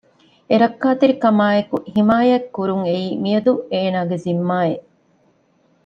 އެ ރައްކަތެރިކަމާއެކު ހިމާޔަތް ކުރުން އެއީ މިއަދު އޭނާގެ ޒިންމާއެއް